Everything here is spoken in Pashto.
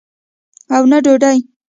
او نه ډوډۍ.